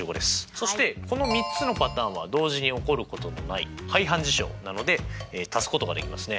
そしてこの３つのパターンは同時に起こることのない排反事象なのでたすことができますね。